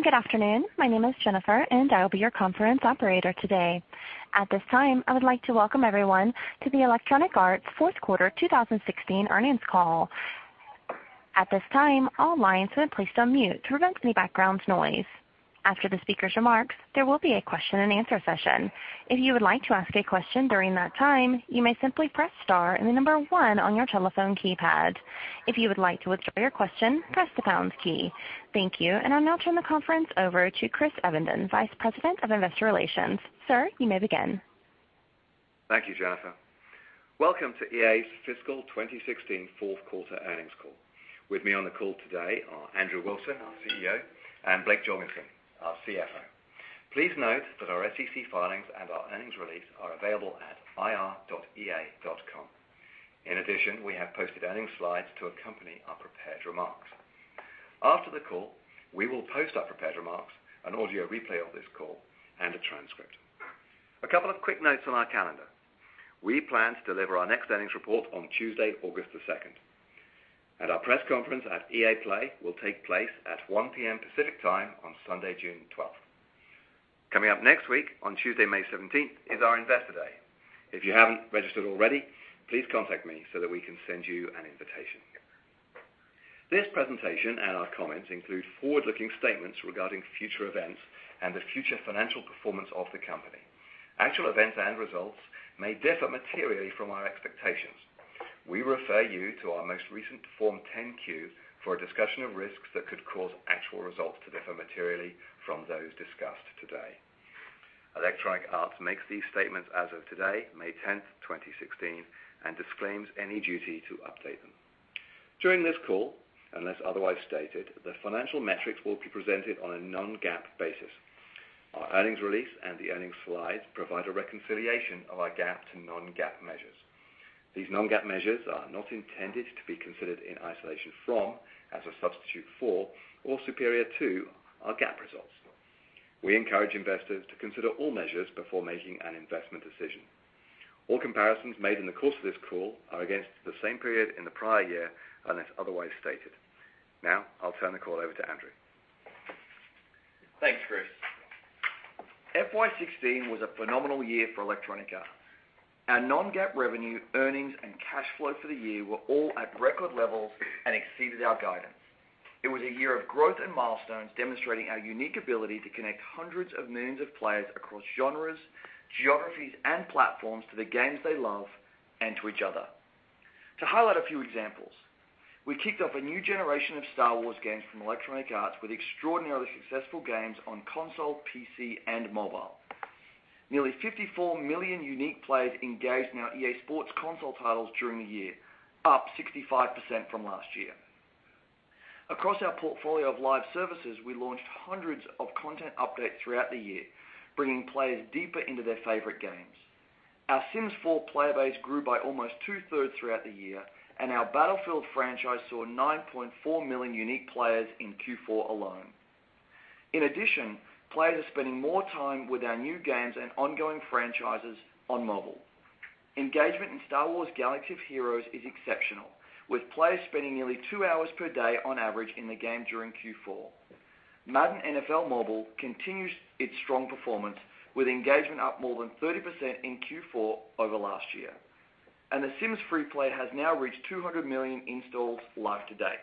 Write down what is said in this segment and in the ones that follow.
Good afternoon. My name is Jennifer, and I will be your conference operator today. At this time, I would like to welcome everyone to the Electronic Arts Fourth Quarter 2016 earnings call. At this time, all lines have been placed on mute to prevent any background noise. After the speaker's remarks, there will be a question and answer session. If you would like to ask a question during that time, you may simply press star and the number 1 on your telephone keypad. If you would like to withdraw your question, press the pounds key. Thank you, and I'll now turn the conference over to Chris Evenden, Vice President of Investor Relations. Sir, you may begin. Thank you, Jennifer. Welcome to EA's fiscal 2016 fourth quarter earnings call. With me on the call today are Andrew Wilson, our CEO, and Blake Jorgensen, our CFO. Please note that our SEC filings and our earnings release are available at ir.ea.com. In addition, we have posted earnings slides to accompany our prepared remarks. After the call, we will post our prepared remarks, an audio replay of this call, and a transcript. A couple of quick notes on our calendar. We plan to deliver our next earnings report on Tuesday, August the 2nd. Our press conference at EA Play will take place at 1:00 P.M. Pacific Time on Sunday, June 12th. Coming up next week, on Tuesday, May 17th, is our Investor Day. If you haven't registered already, please contact me so that we can send you an invitation. This presentation and our comments include forward-looking statements regarding future events and the future financial performance of the company. Actual events and results may differ materially from our expectations. We refer you to our most recent Form 10-Q for a discussion of risks that could cause actual results to differ materially from those discussed today. Electronic Arts makes these statements as of today, May 10th, 2016, and disclaims any duty to update them. During this call, unless otherwise stated, the financial metrics will be presented on a non-GAAP basis. Our earnings release and the earnings slides provide a reconciliation of our GAAP to non-GAAP measures. These non-GAAP measures are not intended to be considered in isolation from, as a substitute for, or superior to our GAAP results. We encourage investors to consider all measures before making an investment decision. All comparisons made in the course of this call are against the same period in the prior year, unless otherwise stated. Now, I'll turn the call over to Andrew. Thanks, Chris. FY 2016 was a phenomenal year for Electronic Arts. Our non-GAAP revenue, earnings, and cash flow for the year were all at record levels and exceeded our guidance. It was a year of growth and milestones demonstrating our unique ability to connect hundreds of millions of players across genres, geographies, and platforms to the games they love and to each other. To highlight a few examples, we kicked off a new generation of Star Wars games from Electronic Arts with extraordinarily successful games on console, PC, and mobile. Nearly 54 million unique players engaged in our EA Sports console titles during the year, up 65% from last year. Across our portfolio of live services, we launched hundreds of content updates throughout the year, bringing players deeper into their favorite games. Our Sims 4 player base grew by almost two-thirds throughout the year, and our Battlefield franchise saw 9.4 million unique players in Q4 alone. In addition, players are spending more time with our new games and ongoing franchises on mobile. Engagement in Star Wars: Galaxy of Heroes is exceptional, with players spending nearly two hours per day on average in the game during Q4. Madden NFL Mobile continues its strong performance, with engagement up more than 30% in Q4 over last year. The Sims FreePlay has now reached 200 million installs live today.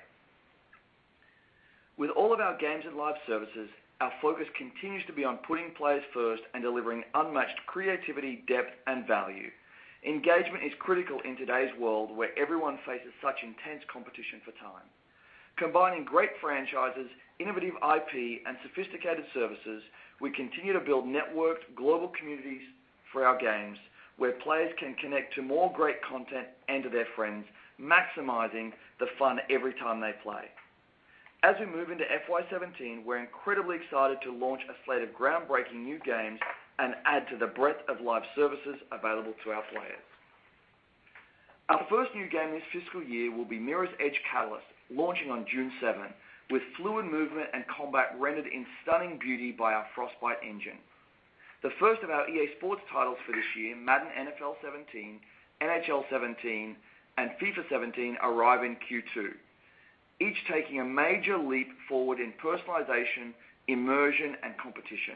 With all of our games and live services, our focus continues to be on putting players first and delivering unmatched creativity, depth, and value. Engagement is critical in today's world, where everyone faces such intense competition for time. Combining great franchises, innovative IP, and sophisticated services, we continue to build networked global communities for our games where players can connect to more great content and to their friends, maximizing the fun every time they play. As we move into FY 2017, we're incredibly excited to launch a slate of groundbreaking new games and add to the breadth of live services available to our players. Our first new game this fiscal year will be Mirror's Edge Catalyst, launching on June 7, with fluid movement and combat rendered in stunning beauty by our Frostbite engine. The first of our EA Sports titles for this year, Madden NFL 17, NHL 17, and FIFA 17 arrive in Q2, each taking a major leap forward in personalization, immersion, and competition.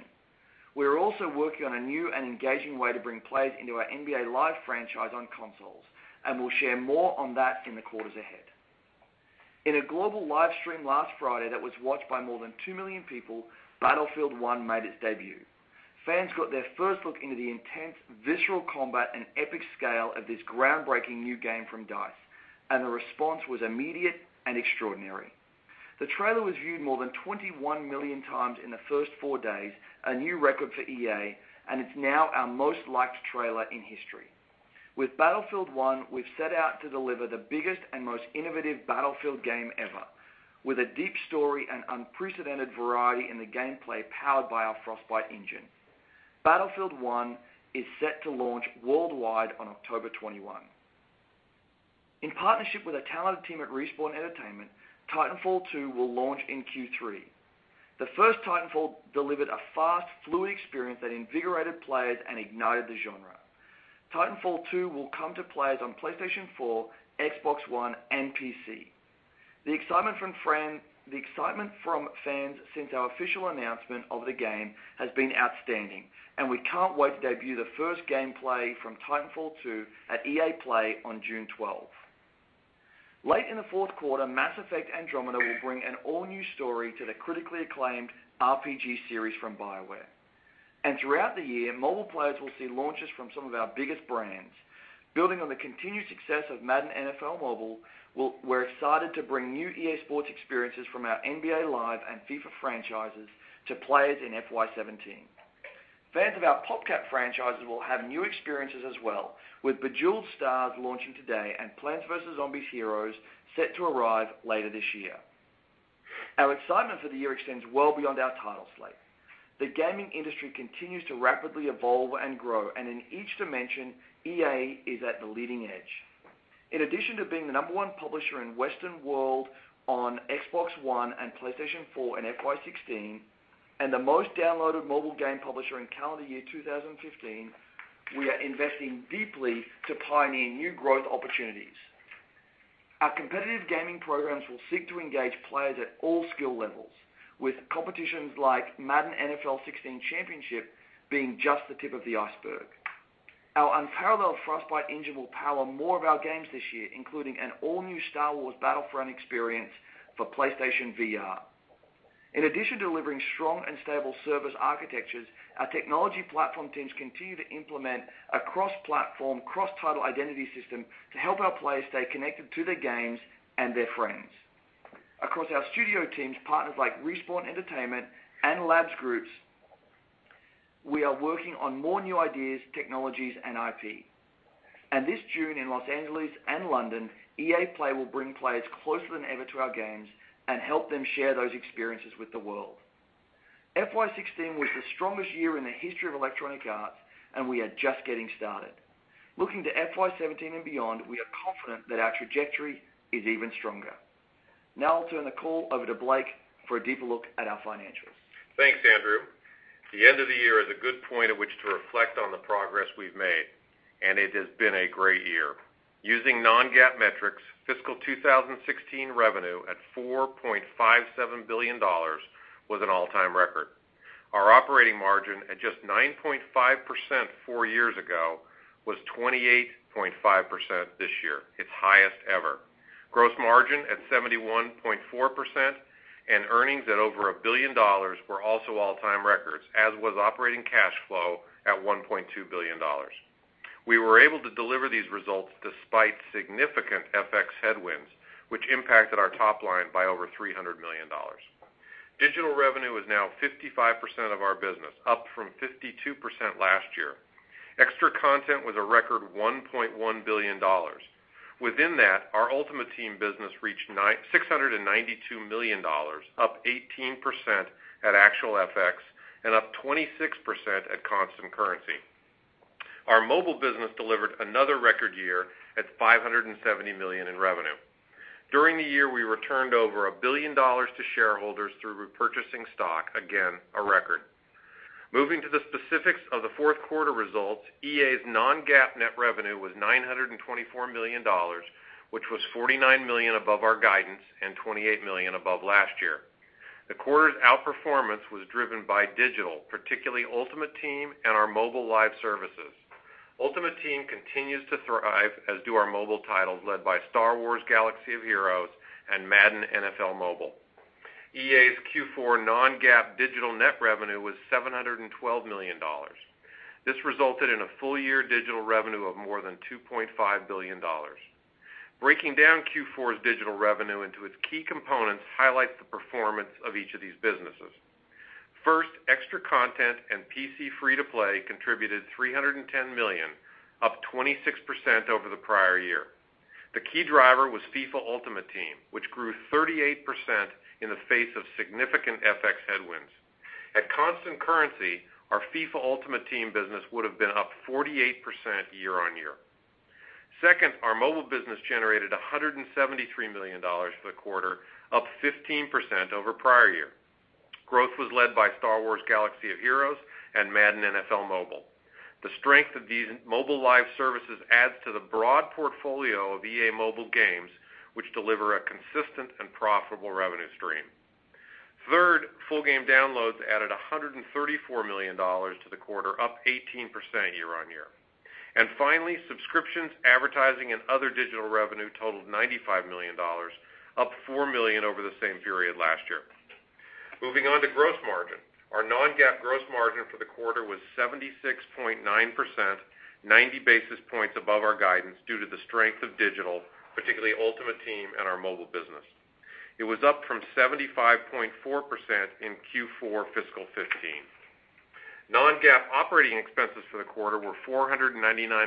We're also working on a new and engaging way to bring players into our NBA Live franchise on consoles, and we'll share more on that in the quarters ahead. In a global live stream last Friday that was watched by more than 2 million people, Battlefield 1 made its debut. Fans got their first look into the intense, visceral combat and epic scale of this groundbreaking new game from DICE, and the response was immediate and extraordinary. The trailer was viewed more than 21 million times in the first four days, a new record for EA, and it's now our most liked trailer in history. With Battlefield 1, we've set out to deliver the biggest and most innovative Battlefield game ever, with a deep story and unprecedented variety in the gameplay powered by our Frostbite engine. Battlefield 1 is set to launch worldwide on October 21. In partnership with a talented team at Respawn Entertainment, Titanfall 2 will launch in Q3. The first Titanfall delivered a fast, fluid experience that invigorated players and ignited the genre. Titanfall 2 will come to players on PlayStation 4, Xbox One, and PC. The excitement from fans since our official announcement of the game has been outstanding, and we can't wait to debut the first gameplay from Titanfall 2 at EA Play on June 12th. Late in the fourth quarter, Mass Effect: Andromeda will bring an all-new story to the critically acclaimed RPG series from BioWare. Throughout the year, mobile players will see launches from some of our biggest brands. Building on the continued success of Madden NFL Mobile, we're excited to bring new EA Sports experiences from our NBA Live and FIFA franchises to players in FY 2017. Fans of our PopCap franchises will have new experiences as well, with Bejeweled Stars launching today and Plants vs. Zombies: Heroes set to arrive later this year. Our excitement for the year extends well beyond our title slate. The gaming industry continues to rapidly evolve and grow, and in each dimension, EA is at the leading edge. In addition to being the number one publisher in Western world on Xbox One and PlayStation 4 in FY 2016, and the most downloaded mobile game publisher in calendar year 2015, we are investing deeply to pioneer new growth opportunities. Our competitive gaming programs will seek to engage players at all skill levels, with competitions like Madden NFL 16 Championship being just the tip of the iceberg. Our unparalleled Frostbite engine will power more of our games this year, including an all-new Star Wars Battlefront experience for PlayStation VR. In addition to delivering strong and stable service architectures, our technology platform teams continue to implement a cross-platform, cross-title identity system to help our players stay connected to their games and their friends. Across our studio teams, partners like Respawn Entertainment and Labs groups, we are working on more new ideas, technologies, and IP. This June in Los Angeles and London, EA Play will bring players closer than ever to our games and help them share those experiences with the world. FY 2016 was the strongest year in the history of Electronic Arts, and we are just getting started. Looking to FY 2017 and beyond, we are confident that our trajectory is even stronger. Now I'll turn the call over to Blake for a deeper look at our financials. Thanks, Andrew. The end of the year is a good point at which to reflect on the progress we've made, and it has been a great year. Using non-GAAP metrics, fiscal 2016 revenue at $4.57 billion was an all-time record. Our operating margin at just 9.5% four years ago was 28.5% this year, its highest ever. Gross margin at 71.4% and earnings at over $1 billion were also all-time records, as was operating cash flow at $1.2 billion. We were able to deliver these results despite significant FX headwinds, which impacted our top line by over $300 million. Digital revenue is now 55% of our business, up from 52% last year. Extra content was a record $1.1 billion. Within that, our Ultimate Team business reached $692 million, up 18% at actual FX and up 26% at constant currency. Our mobile business delivered another record year at $570 million in revenue. During the year, we returned over $1 billion to shareholders through repurchasing stock. Again, a record. Moving to the specifics of the fourth quarter results, Electronic Arts' non-GAAP net revenue was $924 million, which was $49 million above our guidance and $28 million above last year. The quarter's outperformance was driven by digital, particularly Ultimate Team and our Mobile Live services. Ultimate Team continues to thrive, as do our mobile titles, led by Star Wars: Galaxy of Heroes and Madden NFL Mobile. Electronic Arts' Q4 non-GAAP digital net revenue was $712 million. This resulted in a full-year digital revenue of more than $2.5 billion. Breaking down Q4's digital revenue into its key components highlights the performance of each of these businesses. First, extra content and PC free-to-play contributed $310 million, up 26% over the prior year. The key driver was FIFA Ultimate Team, which grew 38% in the face of significant FX headwinds. At constant currency, our FIFA Ultimate Team business would have been up 48% year-on-year. Second, our mobile business generated $173 million for the quarter, up 15% over prior year. Growth was led by Star Wars: Galaxy of Heroes and Madden NFL Mobile. The strength of these mobile live services adds to the broad portfolio of Electronic Arts mobile games, which deliver a consistent and profitable revenue stream. Third, full game downloads added $134 million to the quarter, up 18% year-on-year. Finally, subscriptions, advertising, and other digital revenue totaled $95 million, up $4 million over the same period last year. Moving on to gross margin. Our non-GAAP gross margin for the quarter was 76.9%, 90 basis points above our guidance due to the strength of digital, particularly Ultimate Team and our mobile business. It was up from 75.4% in Q4 fiscal 2015. Non-GAAP operating expenses for the quarter were $499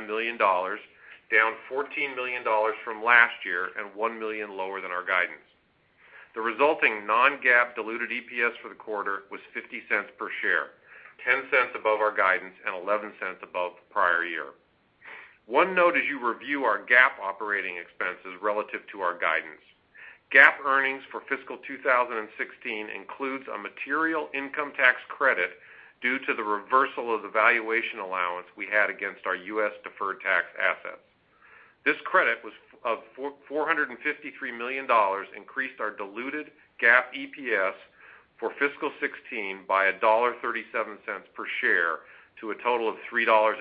million, down $14 million from last year and $1 million lower than our guidance. The resulting non-GAAP diluted EPS for the quarter was $0.50 per share, $0.10 above our guidance and $0.11 above the prior year. One note as you review our GAAP operating expenses relative to our guidance. GAAP earnings for fiscal 2016 includes a material income tax credit due to the reversal of the valuation allowance we had against our U.S. deferred tax assets. This credit was of $453 million, increased our diluted GAAP EPS for fiscal 2016 by $1.37 per share to a total of $3.50.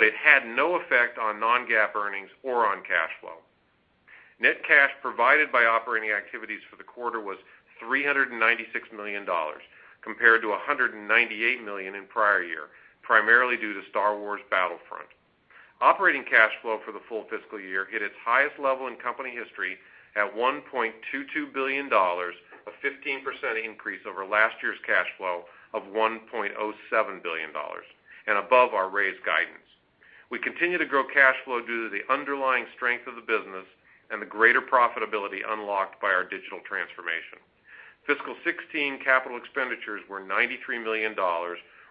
It had no effect on non-GAAP earnings or on cash flow. Net cash provided by operating activities for the quarter was $396 million, compared to $198 million in prior year, primarily due to Star Wars Battlefront. Operating cash flow for the full fiscal year hit its highest level in company history at $1.22 billion, a 15% increase over last year's cash flow of $1.07 billion, and above our raised guidance. We continue to grow cash flow due to the underlying strength of the business and the greater profitability unlocked by our digital transformation. Fiscal 2016 CapEx were $93 million,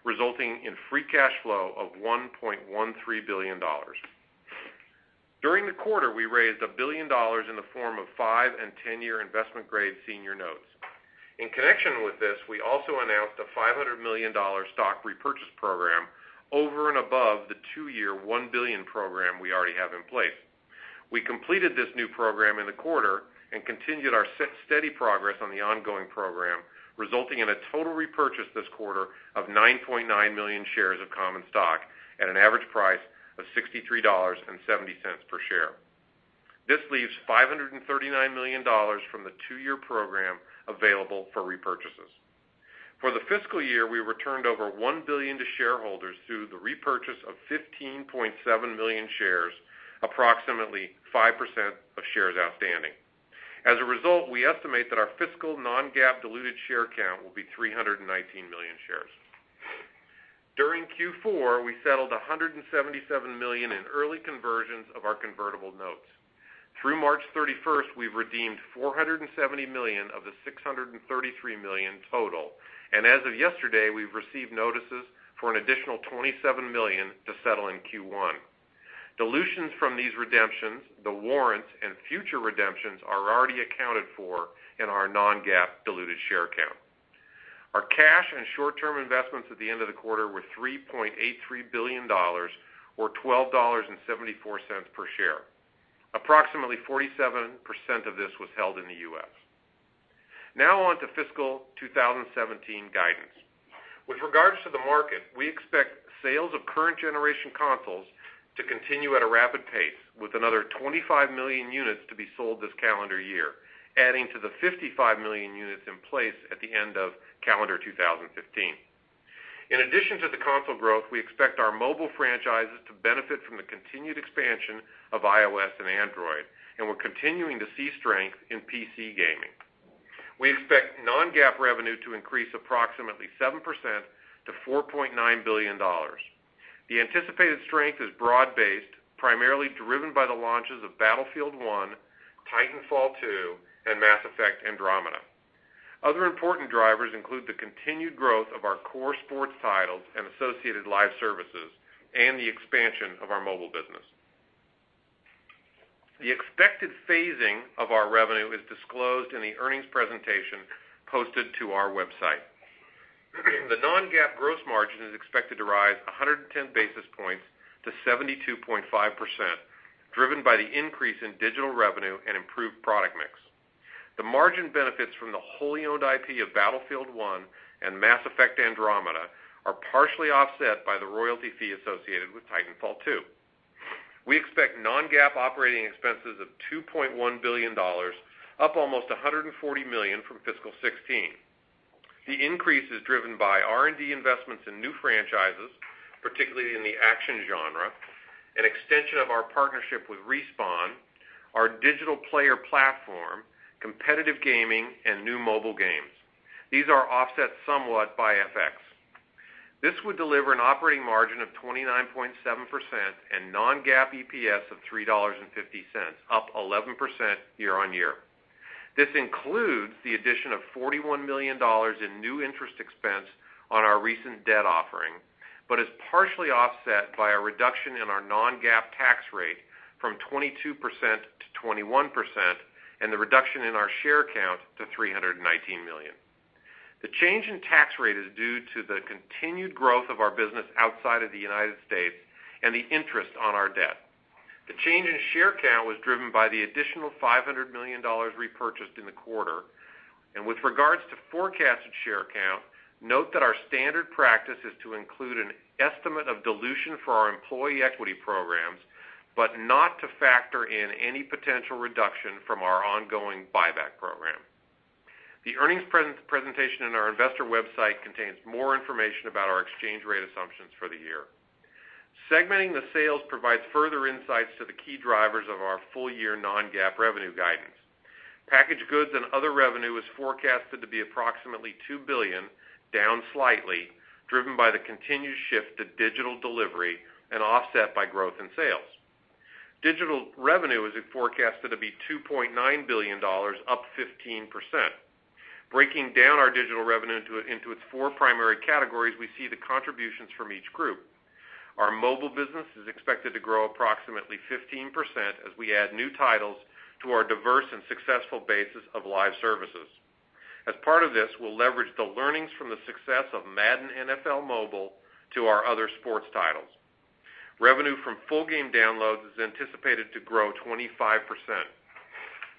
resulting in free cash flow of $1.13 billion. During the quarter, we raised $1 billion in the form of 5 and 10-year investment-grade senior notes. In connection with this, we also announced a $500 million stock repurchase program over and above the two-year, $1 billion program we already have in place. We completed this new program in the quarter and continued our steady progress on the ongoing program, resulting in a total repurchase this quarter of 9.9 million shares of common stock at an average price of $63.70 per share. This leaves $539 million from the two-year program available for repurchases. For the fiscal year, we returned over $1 billion to shareholders through the repurchase of 15.7 million shares, approximately 5% of shares outstanding. As a result, we estimate that our fiscal non-GAAP diluted share count will be 319 million shares. During Q4, we settled $177 million in early conversions of our convertible notes. Through March 31st, we've redeemed $470 million of the $633 million total. As of yesterday, we've received notices for an additional $27 million to settle in Q1. Dilutions from these redemptions, the warrants, and future redemptions are already accounted for in our non-GAAP diluted share count. Our cash and short-term investments at the end of the quarter were $3.83 billion, or $12.74 per share. Approximately 47% of this was held in the U.S. Now on to fiscal 2017 guidance. With regards to the market, we expect sales of current generation consoles to continue at a rapid pace, with another 25 million units to be sold this calendar year, adding to the 55 million units in place at the end of calendar 2015. In addition to the console growth, we expect our mobile franchises to benefit from the continued expansion of iOS and Android, and we're continuing to see strength in PC gaming. We expect non-GAAP revenue to increase approximately 7% to $4.9 billion. The anticipated strength is broad-based, primarily driven by the launches of Battlefield 1, Titanfall 2, and Mass Effect: Andromeda. Other important drivers include the continued growth of our core sports titles and associated live services and the expansion of our mobile business. The expected phasing of our revenue is disclosed in the earnings presentation posted to our website. The non-GAAP gross margin is expected to rise 110 basis points to 72.5%, driven by the increase in digital revenue and improved product mix. The margin benefits from the wholly owned IP of Battlefield 1 and Mass Effect: Andromeda are partially offset by the royalty fee associated with Titanfall 2. We expect non-GAAP operating expenses of $2.1 billion, up almost $140 million from fiscal 2016. The increase is driven by R&D investments in new franchises, particularly in the action genre; an extension of our partnership with Respawn; our digital player platform; competitive gaming; and new mobile games. These are offset somewhat by FX. This would deliver an operating margin of 29.7% and non-GAAP EPS of $3.50, up 11% year-over-year. This includes the addition of $41 million in new interest expense on our recent debt offering, but is partially offset by a reduction in our non-GAAP tax rate from 22% to 21% and the reduction in our share count to 319 million. The change in tax rate is due to the continued growth of our business outside of the United States and the interest on our debt. The change in share count was driven by the additional $500 million repurchased in the quarter. With regards to forecasted share count, note that our standard practice is to include an estimate of dilution for our employee equity programs, but not to factor in any potential reduction from our ongoing buyback program. The earnings presentation on our ir.ea.com contains more information about our exchange rate assumptions for the year. Segmenting the sales provides further insights to the key drivers of our full-year non-GAAP revenue guidance. Packaged goods and other revenue is forecasted to be approximately $2 billion, down slightly, driven by the continued shift to digital delivery and offset by growth in sales. Digital revenue is forecasted to be $2.9 billion, up 15%. Breaking down our digital revenue into its four primary categories, we see the contributions from each group. Our mobile business is expected to grow approximately 15% as we add new titles to our diverse and successful basis of live services. As part of this, we'll leverage the learnings from the success of Madden NFL Mobile to our other sports titles. Revenue from full game downloads is anticipated to grow 25%.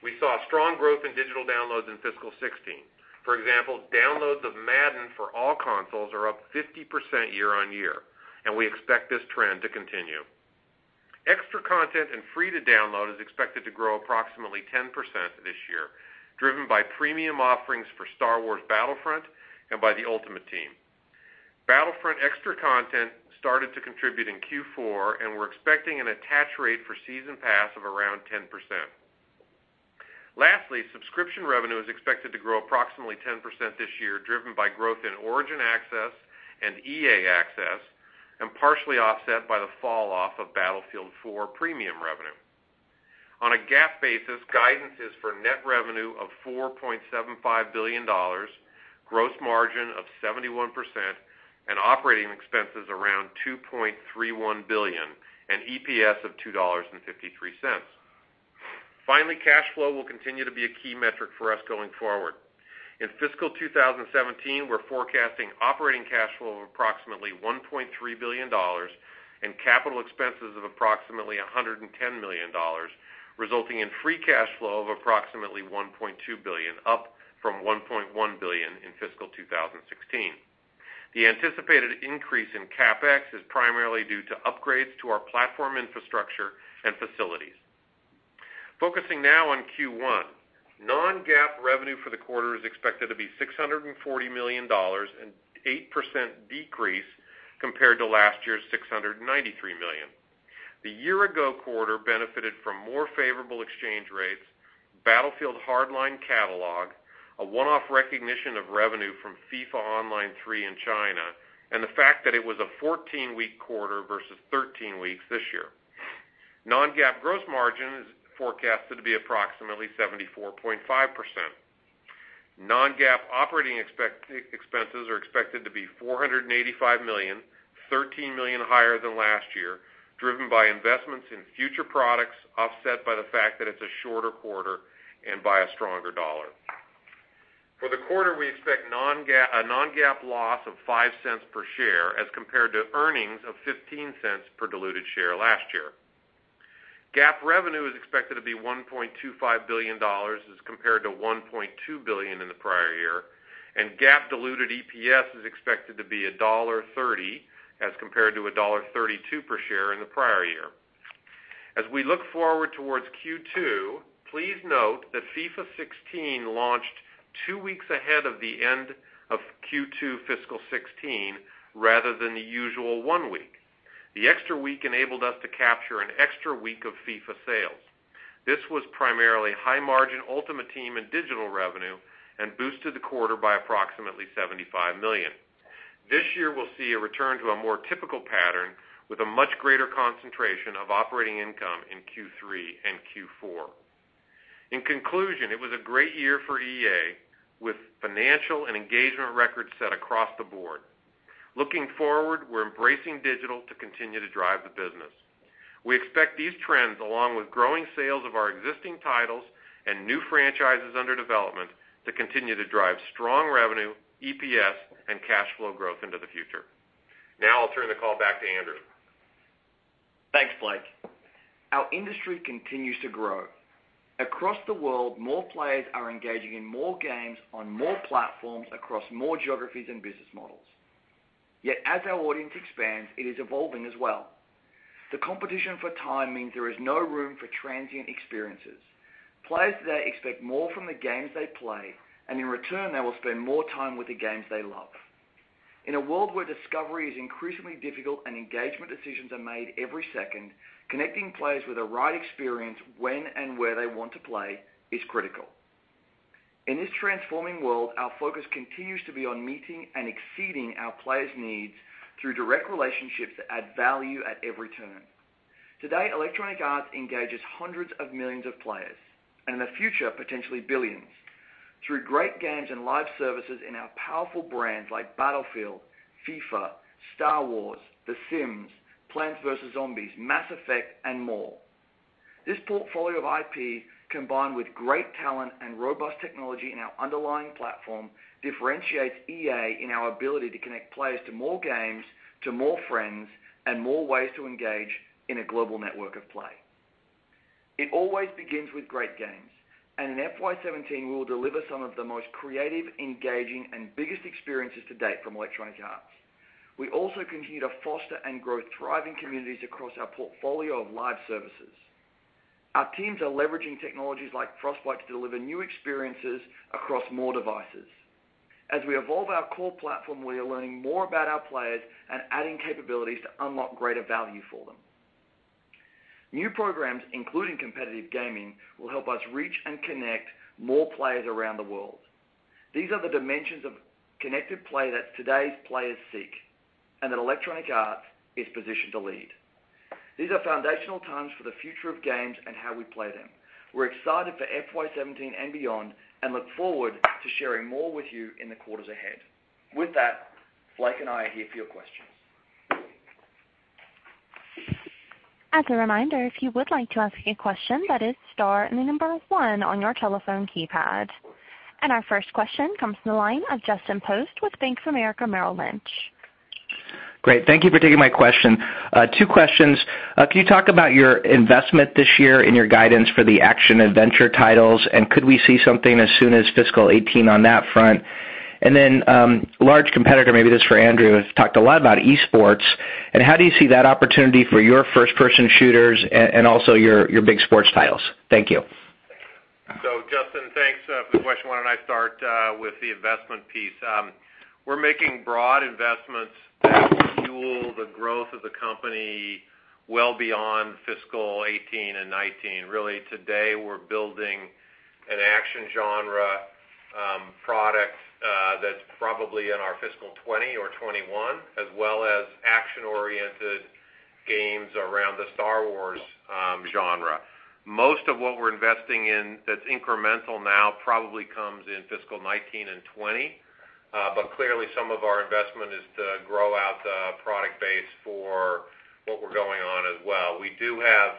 We saw strong growth in digital downloads in fiscal 2016. For example, downloads of Madden for all consoles are up 50% year-on-year, and we expect this trend to continue. Extra content and free to download is expected to grow approximately 10% this year, driven by premium offerings for Star Wars Battlefront and by the Ultimate Team. Battlefront extra content started to contribute in Q4, and we're expecting an attach rate for season pass of around 10%. Lastly, subscription revenue is expected to grow approximately 10% this year, driven by growth in Origin Access and EA Access, and partially offset by the fall off of Battlefield 4 premium revenue. On a GAAP basis, guidance is for net revenue of $4.75 billion, gross margin of 71%, operating expenses around $2.31 billion, and EPS of $2.53. Finally, cash flow will continue to be a key metric for us going forward. In fiscal 2017, we're forecasting operating cash flow of approximately $1.3 billion and capital expenses of approximately $110 million, resulting in free cash flow of approximately $1.2 billion, up from $1.1 billion in fiscal 2016. The anticipated increase in CapEx is primarily due to upgrades to our platform infrastructure and facilities. Focusing now on Q1. Non-GAAP revenue for the quarter is expected to be $640 million, an 8% decrease compared to last year's $693 million. The year-ago quarter benefited from more favorable exchange rates, Battlefield Hardline catalog, a one-off recognition of revenue from FIFA Online 3 in China, and the fact that it was a 14-week quarter versus 13 weeks this year. Non-GAAP gross margin is forecasted to be approximately 74.5%. Non-GAAP operating expenses are expected to be $485 million, $13 million higher than last year, driven by investments in future products, offset by the fact that it's a shorter quarter, and by a stronger dollar. For the quarter, we expect a non-GAAP loss of $0.05 per share as compared to earnings of $0.15 per diluted share last year. GAAP revenue is expected to be $1.25 billion as compared to $1.2 billion in the prior year. GAAP diluted EPS is expected to be $1.30 as compared to $1.32 per share in the prior year. As we look forward towards Q2, please note that FIFA 16 launched two weeks ahead of the end of Q2 fiscal 2016, rather than the usual one week. The extra week enabled us to capture an extra week of FIFA sales. This was primarily high margin Ultimate Team and digital revenue and boosted the quarter by approximately $75 million. This year, we'll see a return to a more typical pattern with a much greater concentration of operating income in Q3 and Q4. In conclusion, it was a great year for EA with financial and engagement records set across the board. Looking forward, we're embracing digital to continue to drive the business. We expect these trends, along with growing sales of our existing titles and new franchises under development, to continue to drive strong revenue, EPS, and cash flow growth into the future. I'll turn the call back to Andrew. Thanks, Blake. Our industry continues to grow. Across the world, more players are engaging in more games on more platforms across more geographies and business models. Yet as our audience expands, it is evolving as well. The competition for time means there is no room for transient experiences. Players today expect more from the games they play, and in return, they will spend more time with the games they love. In a world where discovery is increasingly difficult and engagement decisions are made every second, connecting players with the right experience when and where they want to play is critical. In this transforming world, our focus continues to be on meeting and exceeding our players' needs through direct relationships that add value at every turn. Today, Electronic Arts engages hundreds of millions of players, and in the future, potentially billions. Through great games and live services in our powerful brands like Battlefield, FIFA, Star Wars, The Sims, Plants vs. Zombies, Mass Effect, and more. This portfolio of IP, combined with great talent and robust technology in our underlying platform, differentiates EA in our ability to connect players to more games, to more friends, and more ways to engage in a global network of play. It always begins with great games, and in FY 2017, we will deliver some of the most creative, engaging, and biggest experiences to date from Electronic Arts. We also continue to foster and grow thriving communities across our portfolio of live services. Our teams are leveraging technologies like Frostbite to deliver new experiences across more devices. As we evolve our core platform, we are learning more about our players and adding capabilities to unlock greater value for them. New programs, including competitive gaming, will help us reach and connect more players around the world. These are the dimensions of connected play that today's players seek, and that Electronic Arts is positioned to lead. These are foundational times for the future of games and how we play them. We're excited for FY 2017 and beyond, and look forward to sharing more with you in the quarters ahead. With that, Blake and I are here for your questions. As a reminder, if you would like to ask a question, that is star and the number one on your telephone keypad. Our first question comes from the line of Justin Post with Bank of America Merrill Lynch. Great. Thank you for taking my question. Two questions. Can you talk about your investment this year in your guidance for the action-adventure titles, and could we see something as soon as fiscal 2018 on that front? Large competitor, maybe this is for Andrew, has talked a lot about esports, and how do you see that opportunity for your first-person shooters and also your big sports titles? Thank you. Justin, thanks for the question. Why don't I start with the investment piece? We're making broad investments that will fuel the growth of the company well beyond fiscal 2018 and 2019. Really today, we're building an action genre product that's probably in our fiscal 2020 or 2021, as well as action-oriented games around the Star Wars genre. Most of what we're investing in that's incremental now probably comes in fiscal 2019 and 2020. Clearly, some of our investment is to grow out the product base for what we're going on as well. We do have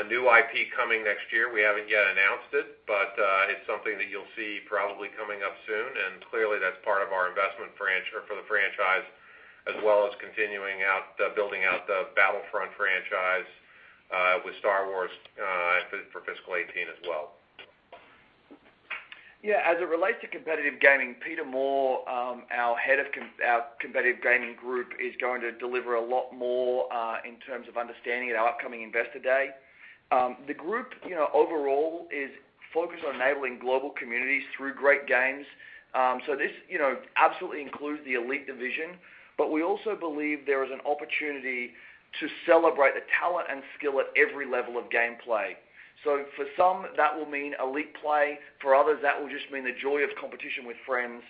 a new IP coming next year. We haven't yet announced it, but it's something that you'll see probably coming up soon. Clearly, that's part of our investment for the franchise, as well as continuing out the building out the Battlefront franchise with Star Wars for fiscal 2018 as well. Yeah. As it relates to competitive gaming, Peter Moore, our head of our competitive gaming group, is going to deliver a lot more in terms of understanding at our upcoming Investor Day. The group overall is focused on enabling global communities through great games. This absolutely includes the elite division, but we also believe there is an opportunity to celebrate the talent and skill at every level of gameplay. For some, that will mean elite play. For others, that will just mean the joy of competition with friends.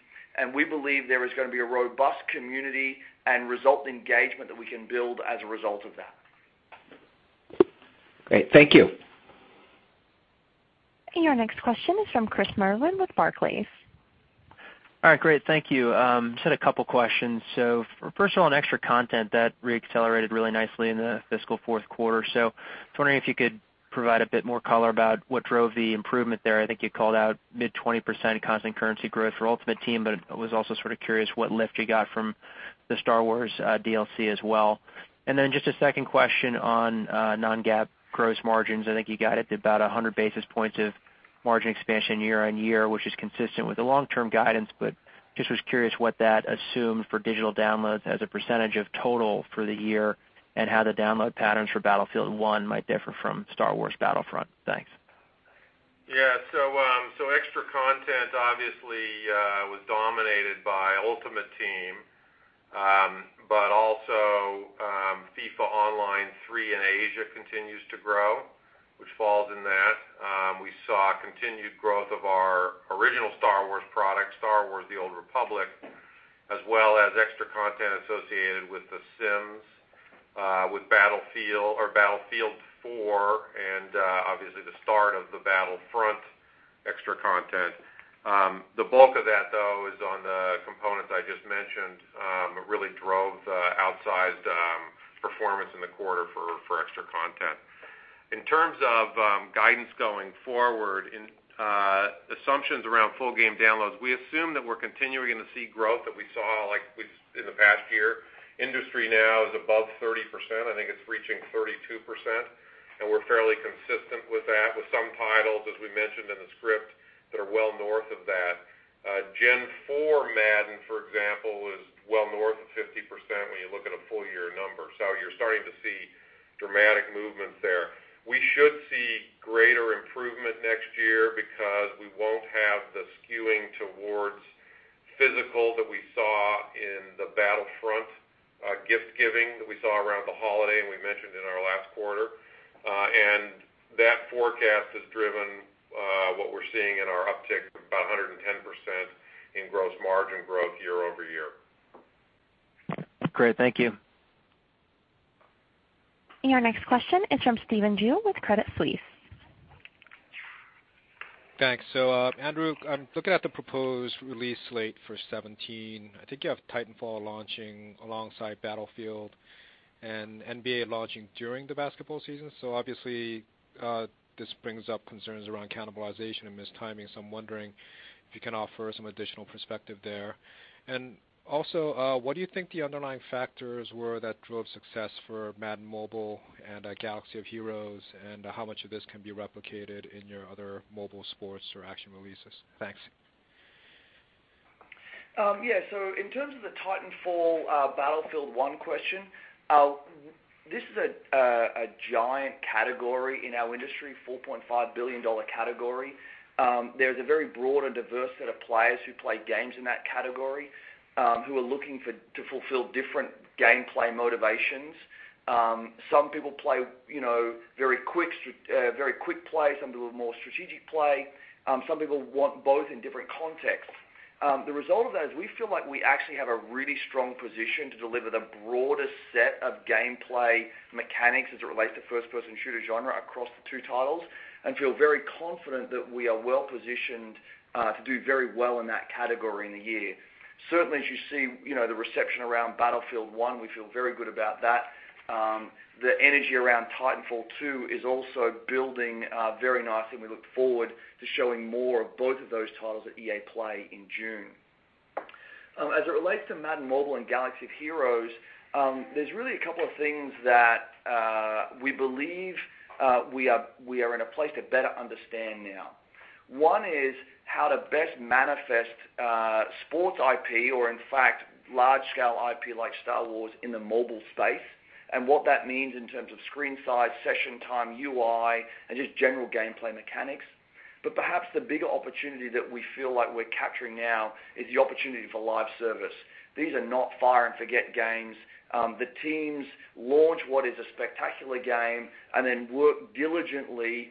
We believe there is going to be a robust community and result engagement that we can build as a result of that. Great. Thank you. Your next question is from Chris Merlin with Barclays. All right, great. Thank you. Just had a couple questions. First of all, on extra content, that re-accelerated really nicely in the fiscal fourth quarter. I was wondering if you could provide a bit more color about what drove the improvement there. I think you called out mid-20% constant currency growth for Ultimate Team, but was also sort of curious what lift you got from the Star Wars DLC as well. Then just a second question on non-GAAP gross margins. I think you guided about 100 basis points of margin expansion year-on-year, which is consistent with the long-term guidance, but just was curious what that assumed for digital downloads as a percentage of total for the year, and how the download patterns for Battlefield 1 might differ from Star Wars Battlefront. Thanks. Yeah. Extra content obviously was dominated by Ultimate Team. Also FIFA Online 3 in Asia continues to grow, which falls in that. We saw continued growth of our original Star Wars product, Star Wars: The Old Republic, as well as extra content associated with The Sims, with Battlefield 4, and obviously the start of the Battlefront extra content. The bulk of that, though, is on the components I just mentioned, really drove the outsized performance in the quarter for extra content. In terms of guidance going forward and assumptions around full game downloads, we assume that we're continuing to see growth that we saw in the past year. Industry now is above 30%. I think it's reaching 32%, and we're fairly consistent with that, with some titles, as we mentioned in the script, that are well north of that. Gen 4 Madden, for example, is well north of 50% when you look at a full-year number. You're starting to see dramatic movements there. We should see greater improvement next year because we won't have the skewing towards physical that we saw in the Battlefront gift giving that we saw around the holiday, and we mentioned in our last quarter. That forecast has driven what we're seeing in our uptick of about 110% in gross margin growth year-over-year. Great. Thank you. Your next question is from Stephen Ju with Credit Suisse. Thanks. Andrew, I'm looking at the proposed release slate for 2017. I think you have Titanfall launching alongside Battlefield and NBA launching during the basketball season. Obviously, this brings up concerns around cannibalization and mistiming, so I'm wondering if you can offer some additional perspective there. Also, what do you think the underlying factors were that drove success for Madden Mobile and Galaxy of Heroes, and how much of this can be replicated in your other mobile sports or action releases? Thanks. Yeah. In terms of the Titanfall, Battlefield 1 question, this is a giant category in our industry, a $4.5 billion category. There's a very broad and diverse set of players who play games in that category who are looking to fulfill different gameplay motivations. Some people play very quick plays, some do a more strategic play. Some people want both in different contexts. The result of that is we feel like we actually have a really strong position to deliver the broadest set of gameplay mechanics as it relates to first-person shooter genre across the two titles, and feel very confident that we are well-positioned to do very well in that category in the year. Certainly, as you see the reception around Battlefield 1, we feel very good about that. The energy around Titanfall 2 is also building very nicely, and we look forward to showing more of both of those titles at EA Play in June. As it relates to Madden Mobile and Galaxy of Heroes, there's really a couple of things that we believe we are in a place to better understand now. One is how to best manifest sports IP or in fact, large-scale IP like Star Wars in the mobile space, and what that means in terms of screen size, session time, UI, and just general gameplay mechanics. Perhaps the bigger opportunity that we feel like we're capturing now is the opportunity for live service. These are not fire-and-forget games. The teams launch what is a spectacular game and then work diligently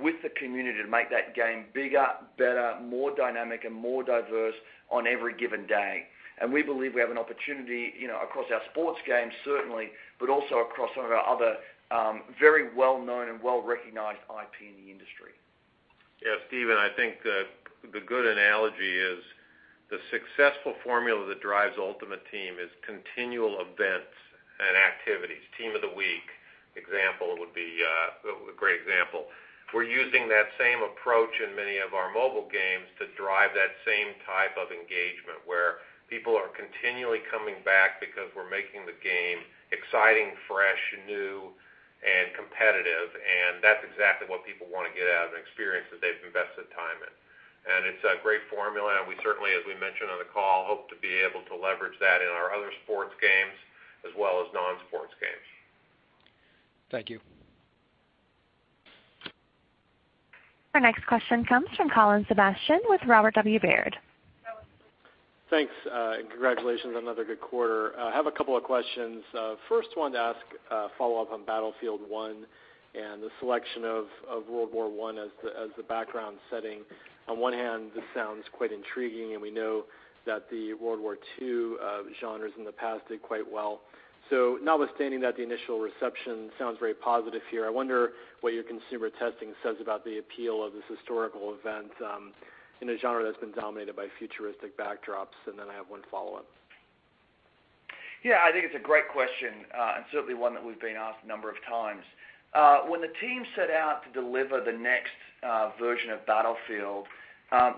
with the community to make that game bigger, better, more dynamic, and more diverse on every given day. We believe we have an opportunity across our sports games, certainly, but also across some of our other very well-known and well-recognized IP in the industry. Yeah, Stephen, I think the good analogy is the successful formula that drives Ultimate Team is continual events and activities. Team of the Week example would be a great example. We're using that same approach in many of our mobile games to drive that same type of engagement, where people are continually coming back because we're making the game exciting, fresh, new, and competitive, and that's exactly what people want to get out of an experience that they've invested time in. It's a great formula, and we certainly, as we mentioned on the call, hope to be able to leverage that in our other sports games as well as non-sports games. Thank you. Our next question comes from Colin Sebastian with Robert W. Baird. Thanks. Congratulations on another good quarter. I have a couple of questions. First one to ask, a follow-up on Battlefield 1 and the selection of World War I as the background setting. On one hand, this sounds quite intriguing, and we know that the World War II genres in the past did quite well. Notwithstanding that the initial reception sounds very positive here, I wonder what your consumer testing says about the appeal of this historical event in a genre that's been dominated by futuristic backdrops, and then I have one follow-up. Yeah, I think it's a great question, and certainly one that we've been asked a number of times. When the team set out to deliver the next version of Battlefield,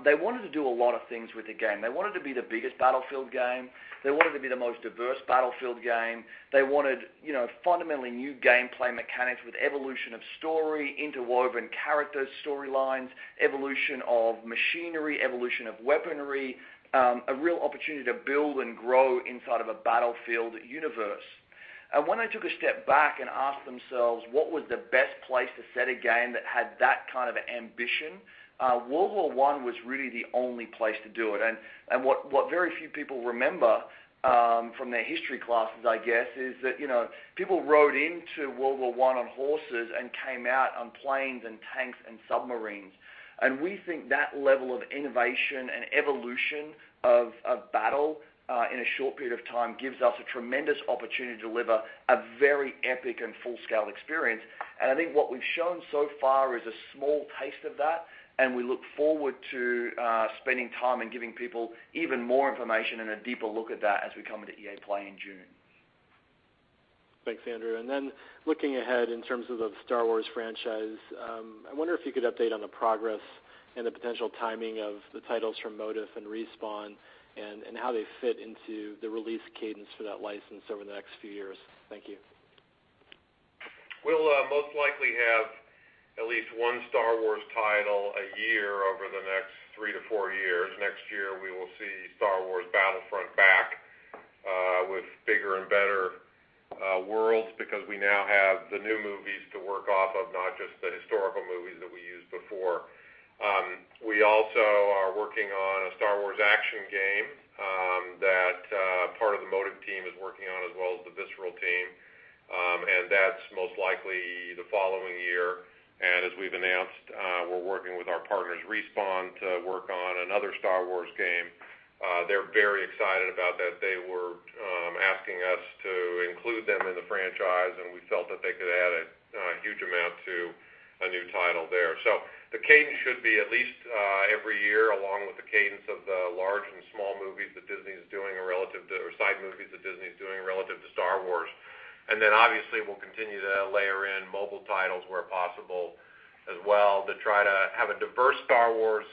they wanted to do a lot of things with the game. They wanted to be the biggest Battlefield game. They wanted to be the most diverse Battlefield game. They wanted fundamentally new gameplay mechanics with evolution of story, interwoven characters, storylines, evolution of machinery, evolution of weaponry, a real opportunity to build and grow inside of a Battlefield universe. When they took a step back and asked themselves what was the best place to set a game that had that kind of ambition, World War I was really the only place to do it. What very few people remember from their history classes, I guess, is that people rode into World War I on horses and came out on planes and tanks and submarines. We think that level of innovation and evolution of battle in a short period of time gives us a tremendous opportunity to deliver a very epic and full-scale experience. I think what we've shown so far is a small taste of that, and we look forward to spending time and giving people even more information and a deeper look at that as we come into EA Play in June. Thanks, Andrew. Looking ahead in terms of the Star Wars franchise, I wonder if you could update on the progress and the potential timing of the titles from Motive and Respawn and how they fit into the release cadence for that license over the next few years. Thank you. We'll most likely have at least one Star Wars title a year over the next three to four years. Next year, we will see Star Wars Battlefront back with bigger and better worlds because we now have the new movies to work off of, not just the historical movies that we used before. We also are working on a Star Wars action game that part of the Motive team is working on as well as the Visceral team. That's most likely the following year. As we've announced, we're working with our partners, Respawn, to work on another Star Wars game. They're very excited about that. They were asking us to include them in the franchise, and we felt that they could add a huge amount to a new title there. The cadence should be at least every year, along with the cadence of the large and small movies that Disney is doing relative to, or side movies that Disney's doing relative to Star Wars. Obviously, we'll continue to layer in mobile titles where possible as well to try to have a diverse Star Wars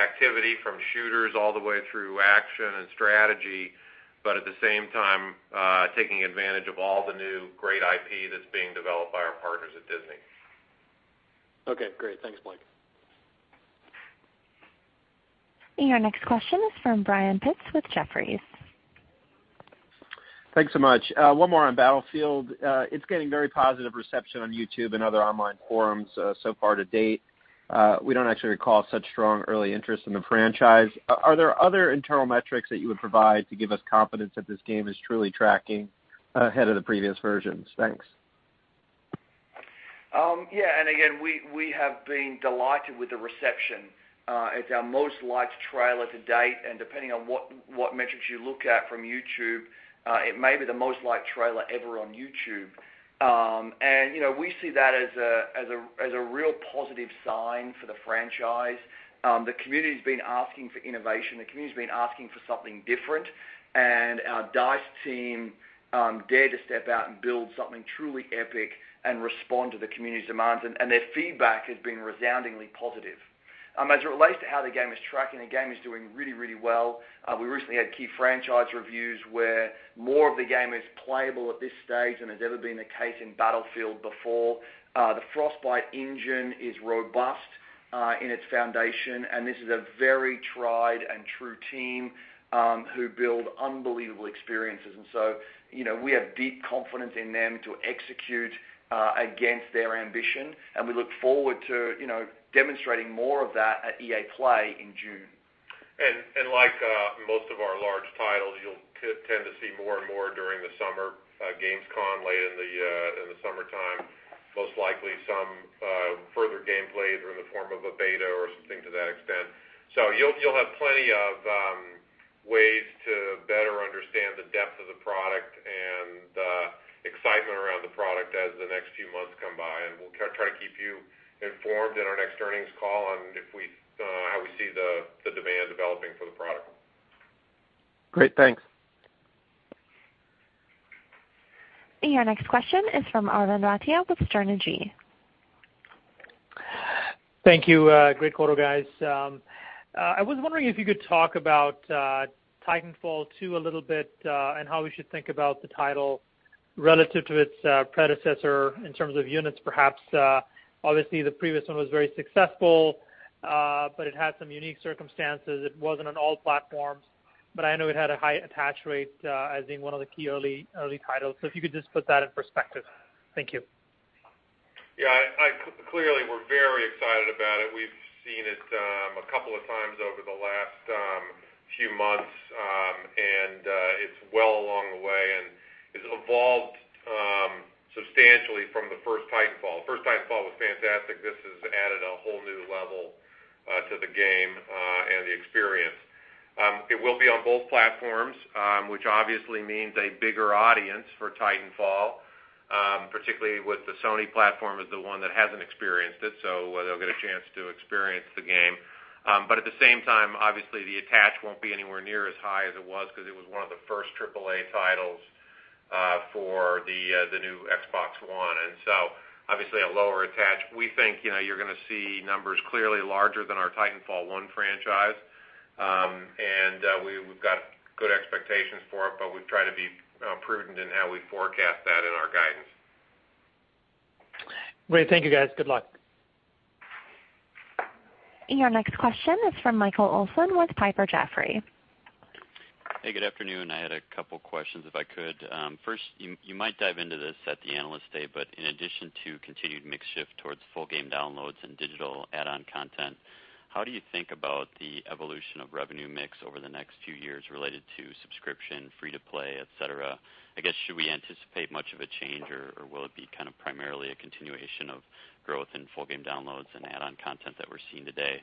activity from shooters all the way through action and strategy, but at the same time, taking advantage of all the new great IP that's being developed by our partners at Disney. Okay, great. Thanks, Blake. Your next question is from Brian Pitz with Jefferies. Thanks so much. One more on Battlefield. It's getting very positive reception on YouTube and other online forums so far to date. We don't actually recall such strong early interest in the franchise. Are there other internal metrics that you would provide to give us confidence that this game is truly tracking ahead of the previous versions? Thanks. Yeah. Again, we have been delighted with the reception. It's our most liked trailer to date, depending on what metrics you look at from YouTube, it may be the most liked trailer ever on YouTube. We see that as a real positive sign for the franchise. The community's been asking for innovation. The community's been asking for something different, our DICE team dared to step out and build something truly epic and respond to the community's demands, their feedback has been resoundingly positive. As it relates to how the game is tracking, the game is doing really, really well. We recently had key franchise reviews where more of the game is playable at this stage than has ever been the case in Battlefield before. The Frostbite engine is robust in its foundation, this is a very tried and true team who build unbelievable experiences. We have deep confidence in them to execute against their ambition, and we look forward to demonstrating more of that at EA Play in June. Like most of our large titles, you'll tend to see more and more during the Gamescom late in the summertime, most likely some further gameplay or in the form of a beta or something to that extent. You'll have plenty of ways to better understand the depth of the product and the excitement around the product as the next few months come by, we'll try to keep you informed in our next earnings call on how we see the demand developing for the product. Great, thanks. Your next question is from Arvind Bhatia with Sterne Agee. Thank you. Great quarter, guys. I was wondering if you could talk about Titanfall 2 a little bit and how we should think about the title relative to its predecessor in terms of units, perhaps. Obviously, the previous one was very successful, but it had some unique circumstances. It wasn't on all platforms, but I know it had a high attach rate as being one of the key early titles. If you could just put that in perspective. Thank you. Yeah. Clearly, we're very excited about it. We've seen it a couple of times over the last few months, and it's well along the way, and it's evolved substantially from the first Titanfall. The first Titanfall was fantastic. This has added a whole new level to the game and the experience. It will be on both platforms, which obviously means a bigger audience for Titanfall, particularly with the Sony platform as the one that hasn't experienced it, so they'll get a chance to experience the game. At the same time, obviously, the attach won't be anywhere near as high as it was because it was one of the first AAA titles for the new Xbox One. Obviously a lower attach. We think you're going to see numbers clearly larger than our Titanfall 1 franchise. We've got good expectations for it, we try to be prudent in how we forecast that in our guidance. Great. Thank you, guys. Good luck. Your next question is from Michael Olson with Piper Jaffray. Hey, good afternoon. I had a couple questions, if I could. First, you might dive into this at the Analyst Day, but in addition to continued mix shift towards full game downloads and digital add-on content, how do you think about the evolution of revenue mix over the next few years related to subscription, free-to-play, et cetera? I guess, should we anticipate much of a change, or will it be kind of primarily a continuation of growth in full game downloads and add-on content that we're seeing today?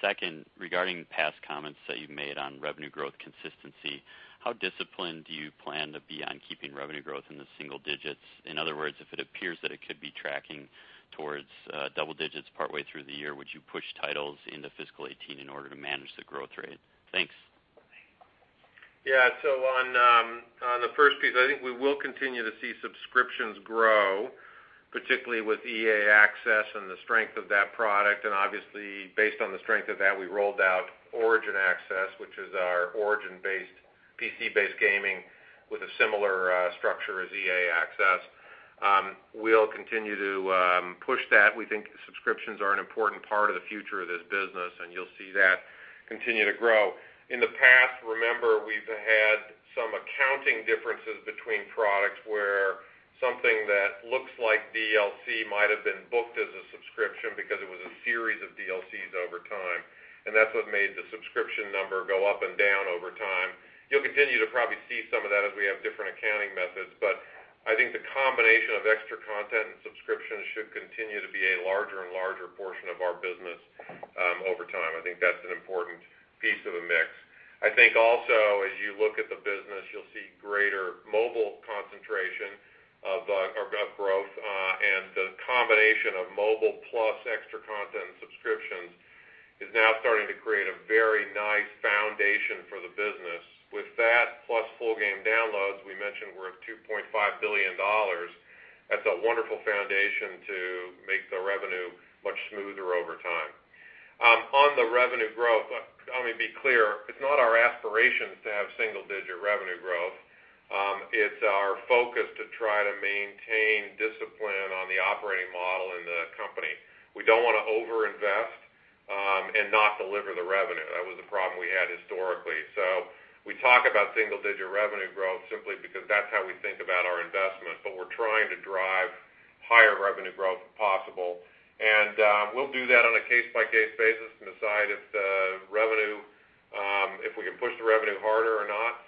Second, regarding past comments that you've made on revenue growth consistency, how disciplined do you plan to be on keeping revenue growth in the single digits? In other words, if it appears that it could be tracking towards double digits partway through the year, would you push titles into fiscal 2018 in order to manage the growth rate? Thanks. Yeah. On the first piece, I think we will continue to see subscriptions grow, particularly with EA Access and the strength of that product. Obviously, based on the strength of that, we rolled out Origin Access, which is our Origin-based, PC-based gaming with a similar structure as EA Access. We'll continue to push that. We think subscriptions are an important part of the future of this business, and you'll see that continue to grow. In the past, remember, we've had some accounting differences between products where something that looks like DLC might have been booked as a subscription because it was a series of DLCs over time, and that's what made the subscription number go up and down over time. You'll continue to probably see some of that as we have different accounting methods, I think the combination of extra content and subscriptions should continue to be a larger and larger portion of our business over time. I think that's an important piece of the mix. I think also as you look at the business, you'll see greater mobile concentration of growth. The combination of mobile plus extra content and subscriptions is now starting to create a very nice foundation for the business. With that plus full game downloads, we mentioned we're at $2.5 billion. That's a wonderful foundation to make the revenue much smoother over time. On the revenue growth, let me be clear, it's not our aspiration to have single-digit revenue growth. It's our focus to try to maintain discipline on the operating model in the company. We don't want to overinvest and not deliver the revenue. That was a problem we had historically. We talk about single-digit revenue growth simply because that's how we think about our investment. We're trying to drive higher revenue growth if possible. We'll do that on a case-by-case basis and decide, push the revenue harder or not.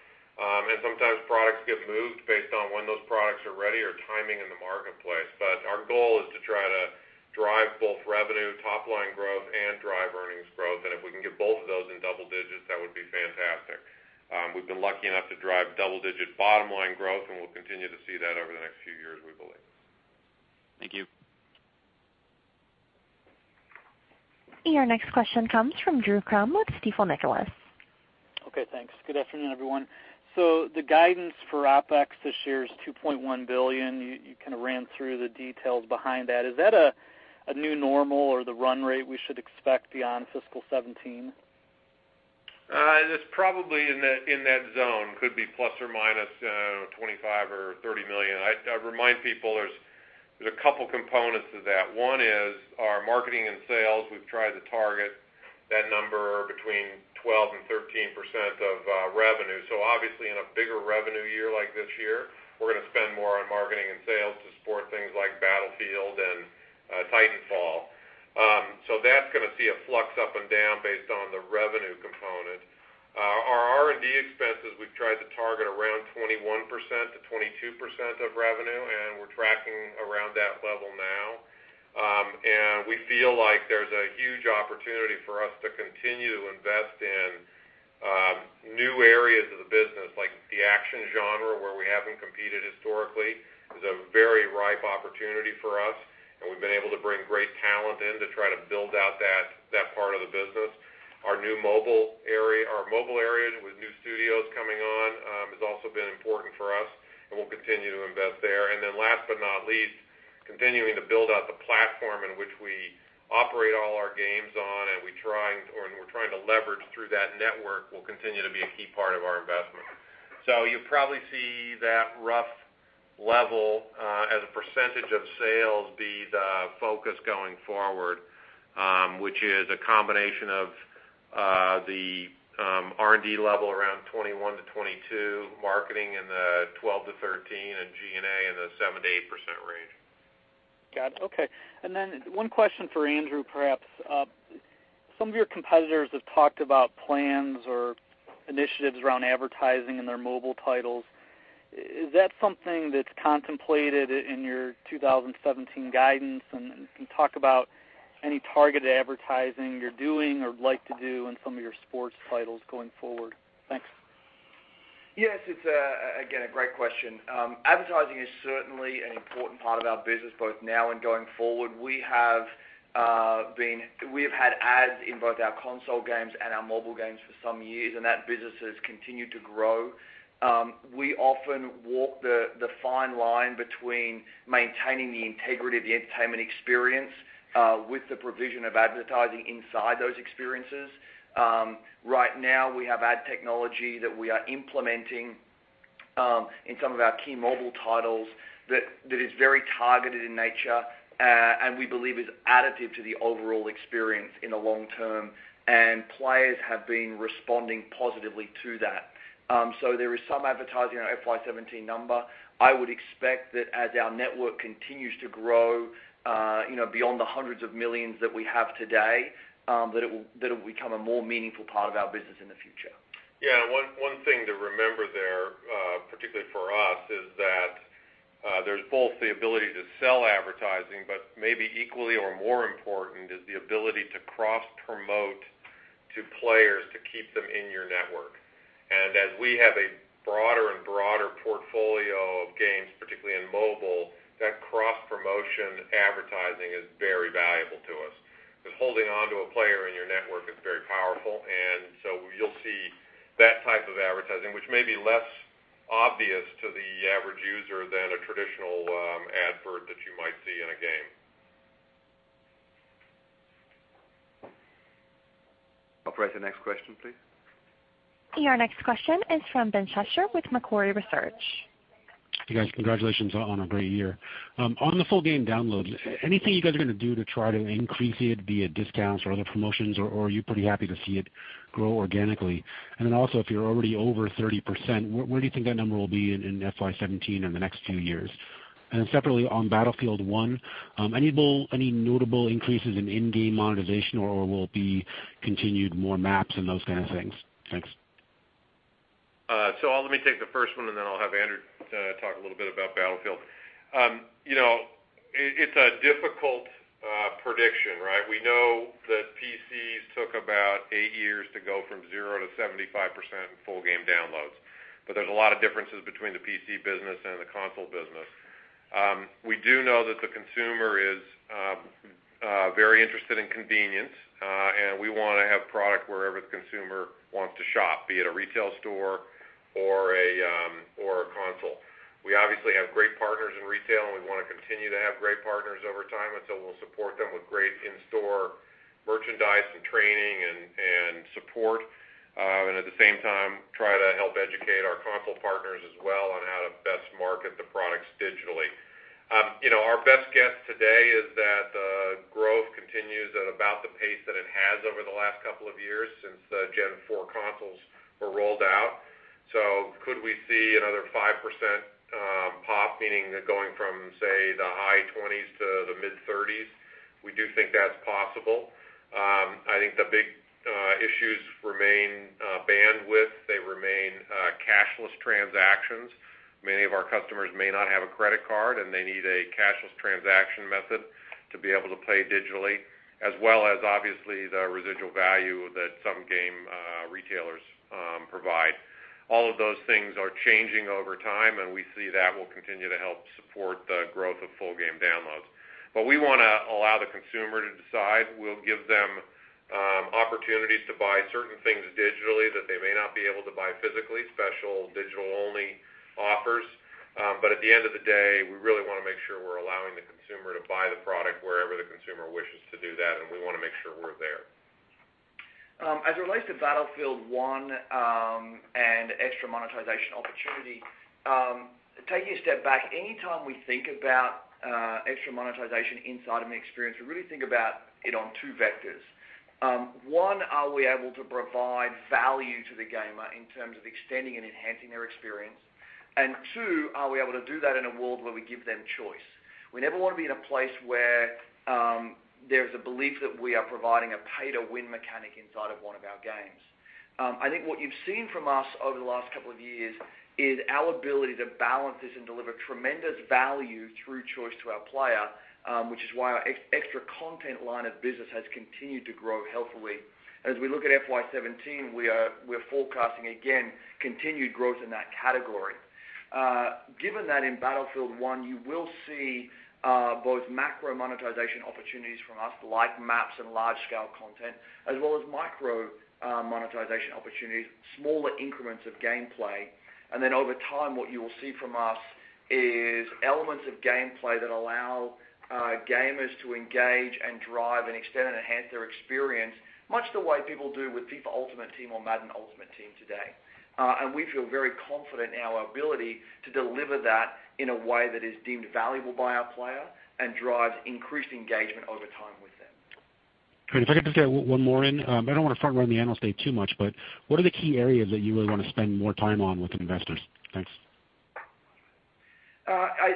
Sometimes products get moved based on when those products are ready or timing in the marketplace. Our goal is to try to drive both revenue top-line growth and drive earnings growth. If we can get both of those in double digits, that would be fantastic. We've been lucky enough to drive double-digit bottom-line growth, and we'll continue to see that over the next few years, we believe. Thank you. Your next question comes from Drew Crum with Stifel Nicolaus. Okay, thanks. Good afternoon, everyone. The guidance for OpEx this year is $2.1 billion. You kind of ran through the details behind that. Is that a new normal or the run rate we should expect beyond fiscal 2017? It's probably in that zone. Could be plus or minus $25 million or $30 million. I'd remind people there's a couple components to that. One is our marketing and sales. We've tried to target that number between 12% and 13% of revenue. Obviously in a bigger revenue year like this year, we're going to spend more on marketing and sales to support things like Battlefield and Titanfall. That's going to see a flux up and down based on the revenue component. Our R&D expenses, we've tried to target around 21%-22% of revenue, and we're tracking around that level now. We feel like there's a huge opportunity for us to continue to invest in new areas of the business, like the action genre, where we haven't competed historically, is a very ripe opportunity for us. We've been able to bring great talent in to try to build out that part of the business. Our mobile area with new studios coming on has also been important for us, and we'll continue to invest there. Last but not least, continuing to build out the platform in which we operate all our games on and we're trying to leverage through that network will continue to be a key part of our investment. You'll probably see that rough level as a percentage of sales be the focus going forward, which is a combination of the R&D level around 21%-22%, marketing in the 12%-13%, and G&A in the 7%-8% range. Got it. Okay. One question for Andrew, perhaps. Some of your competitors have talked about plans or initiatives around advertising in their mobile titles. Is that something that's contemplated in your FY 2017 guidance? Can you talk about any targeted advertising you're doing or would like to do in some of your sports titles going forward? Thanks. Yes, it's again, a great question. Advertising is certainly an important part of our business both now and going forward. We have had ads in both our console games and our mobile games for some years, and that business has continued to grow. We often walk the fine line between maintaining the integrity of the entertainment experience with the provision of advertising inside those experiences. Right now, we have ad technology that we are implementing in some of our key mobile titles that is very targeted in nature. We believe is additive to the overall experience in the long term, and players have been responding positively to that. There is some advertising in our FY 2017 number. I would expect that as our network continues to grow beyond the hundreds of millions that we have today, that it will become a more meaningful part of our business in the future. Yeah. One thing to remember there, particularly for us, is that there's both the ability to sell advertising, but maybe equally or more important is the ability to cross-promote to players to keep them in your network. As we have a broader and broader portfolio of games, particularly in mobile, that cross-promotion advertising is very valuable to us because holding onto a player in your network is very powerful, and so you'll see that type of advertising, which may be less obvious to the average user than a traditional advert that you might see in a game. Operator, next question, please. Your next question is from Ben Schachter with Macquarie Research. You guys, congratulations on a great year. On the full game download, anything you guys are going to do to try to increase it via discounts or other promotions, or are you pretty happy to see it grow organically? Also, if you're already over 30%, where do you think that number will be in FY 2017 or the next few years? Separately, on Battlefield 1, any notable increases in in-game monetization, or will it be continued more maps and those kinds of things? Thanks. Let me take the first one, I'll have Andrew talk a little bit about Battlefield. It's a difficult prediction, right? We know that PCs took about 8 years to go from 0 to 75% full game downloads, but there's a lot of differences between the PC business and the console business. We do know that the consumer is very interested in convenience, we want to have product wherever the consumer wants to shop, be it a retail store or a console. We obviously have great partners in retail, we want to continue to have great partners over time, we'll support them with great in-store merchandise and training and support. At the same time, try to help educate our console partners as well on how to best market the products digitally. Our best guess today is that the growth continues at about the pace that it has over the last couple of years since the Gen 4 consoles were rolled out. Could we see another 5%? Meaning going from, say, the high 20s to the mid-30s. We do think that's possible. I think the big issues remain bandwidth. They remain cashless transactions. Many of our customers may not have a credit card, they need a cashless transaction method to be able to pay digitally, as well as obviously the residual value that some game retailers provide. All of those things are changing over time, we see that will continue to help support the growth of full game downloads. We want to allow the consumer to decide. We'll give them opportunities to buy certain things digitally that they may not be able to buy physically, special digital-only offers. At the end of the day, we really want to make sure we're allowing the consumer to buy the product wherever the consumer wishes to do that, we want to make sure we're there. As it relates to Battlefield 1 and extra monetization opportunity, taking a step back, any time we think about extra monetization inside of an experience, we really think about it on 2 vectors. 1, are we able to provide value to the gamer in terms of extending and enhancing their experience? 2, are we able to do that in a world where we give them choice? We never want to be in a place where there's a belief that we are providing a pay-to-win mechanic inside of one of our games. I think what you've seen from us over the last couple of years is our ability to balance this and deliver tremendous value through choice to our player, which is why our extra content line of business has continued to grow healthily. As we look at FY 2017, we're forecasting again, continued growth in that category. Given that in Battlefield 1, you will see both macro monetization opportunities from us, like maps and large-scale content, as well as micro monetization opportunities, smaller increments of gameplay. Over time, what you will see from us is elements of gameplay that allow gamers to engage and drive and extend and enhance their experience, much the way people do with FIFA Ultimate Team or Madden Ultimate Team today. We feel very confident in our ability to deliver that in a way that is deemed valuable by our player and drives increased engagement over time with them. Great. If I could just get one more in. I don't want to front-run the analyst day too much, what are the key areas that you really want to spend more time on with investors? Thanks.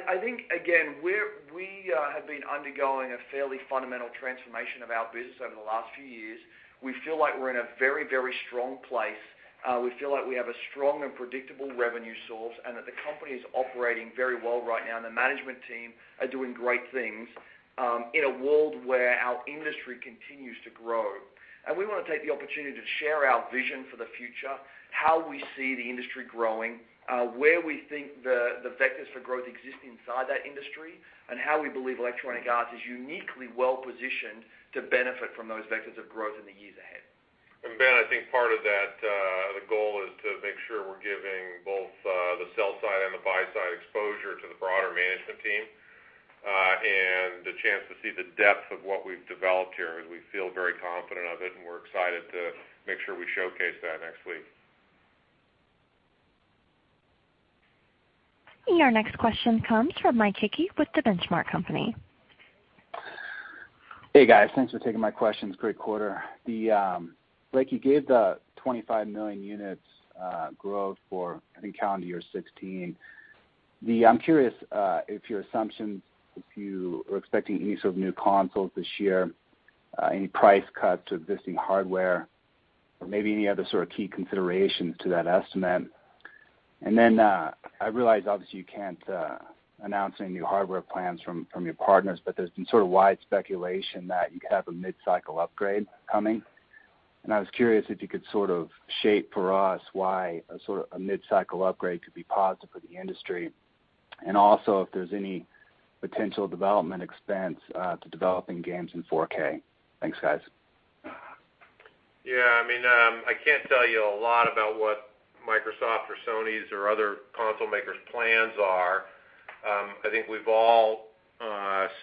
I think, again, we have been undergoing a fairly fundamental transformation of our business over the last few years. We feel like we're in a very strong place. We feel like we have a strong and predictable revenue source and that the company is operating very well right now, and the management team are doing great things in a world where our industry continues to grow. We want to take the opportunity to share our vision for the future, how we see the industry growing, where we think the vectors for growth exist inside that industry, and how we believe Electronic Arts is uniquely well-positioned to benefit from those vectors of growth in the years ahead. Ben, I think part of that, the goal is to make sure we're giving both the sell side and the buy side exposure to the broader management team, and the chance to see the depth of what we've developed here, as we feel very confident of it and we're excited to make sure we showcase that next week. Your next question comes from Mike Hickey with The Benchmark Company. Hey, guys. Thanks for taking my questions. Great quarter. Blake, you gave the 25 million units growth for, I think, calendar year 2016. I'm curious if your assumptions, if you are expecting any sort of new consoles this year, any price cuts of existing hardware or maybe any other sort of key considerations to that estimate. I realize obviously you can't announce any new hardware plans from your partners, but there's been sort of wide speculation that you could have a mid-cycle upgrade coming. I was curious if you could sort of shape for us why a mid-cycle upgrade could be positive for the industry. Also, if there's any potential development expense to developing games in 4K. Thanks, guys. I can't tell you a lot about what Microsoft or Sony's or other console makers' plans are. I think we've all